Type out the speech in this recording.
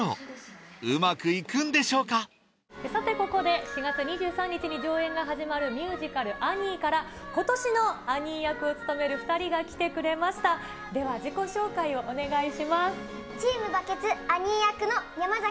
さてここで４月２３日に上演が始まるミュージカル『アニー』から今年のアニー役を務める２人が来てくれましたでは自己紹介をお願いします。